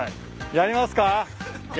やりますか。